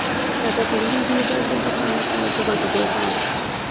রাতে আপনি যখন ঘুমুতে আসবেন তখন আমি আপনাকে একটা গল্প পড়ে শোনাব।